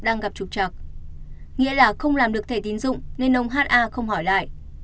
nghĩa là không làm được thể tín dụng nên ông h a không hỏi lại